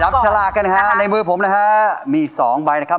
ฉลากกันนะฮะในมือผมนะฮะมีสองใบนะครับ